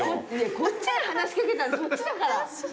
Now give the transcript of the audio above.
こっちに話し掛けたのそっちだから。